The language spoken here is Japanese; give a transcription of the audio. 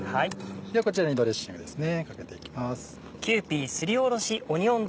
ではこちらにドレッシングですねかけていきます。